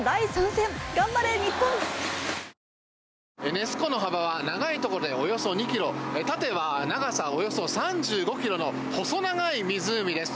ネス湖の幅は長いところでおよそ２ｋｍ縦は長さおよそ３５ｋｍの細長い湖です。